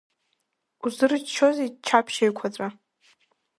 Узырччозеи, ччаԥшь еиқәаҵәа?